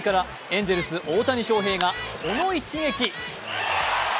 エンゼルス・大谷翔平がこの一撃。